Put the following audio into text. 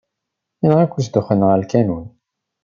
Yenɣa-k usduxxen ɣer lkanun!